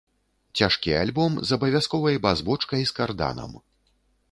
Цяжкі альбом з абавязковай бас-бочкай з карданам.